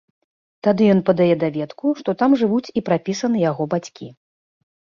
Тады ён падае даведку, што там жывуць і прапісаны яго бацькі.